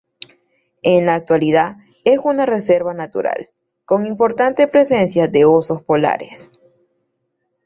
En la actualidad es una reserva natural, con importante presencia de osos polares.